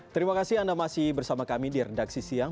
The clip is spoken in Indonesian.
terima kasih anda masih bersama kami di redaksi siang